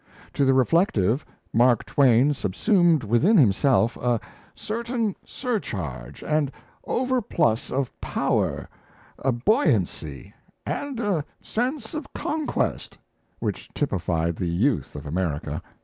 To the reflective, Mark Twain subsumed within himself a "certain surcharge and overplus of power, a buoyancy, and a sense of conquest" which typified the youth of America.